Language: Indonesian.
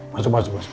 masuk masuk masuk